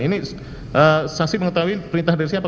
ini saksi mengetahui perintah dari siapa